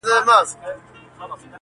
هم ښکاري وو هم ښه پوخ تجریبه کار وو,